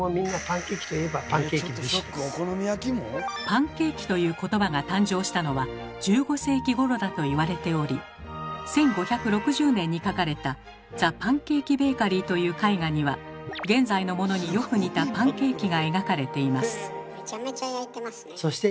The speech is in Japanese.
「パンケーキ」という言葉が誕生したのは１５世紀ごろだと言われており１５６０年に描かれた「ザ・パンケーキ・ベーカリー」という絵画には現在のものによく似たパンケーキが描かれています。